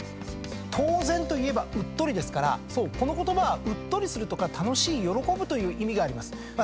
陶然といえばうっとりですからこの言葉はうっとりするとか楽しい喜ぶという意味があります。